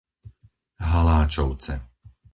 Haláčovce